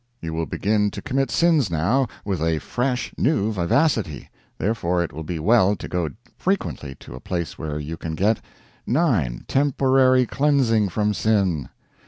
You will begin to commit sins now with a fresh, new vivacity; therefore, it will be well to go frequently to a place where you can get 9. Temporary Cleansing from Sin.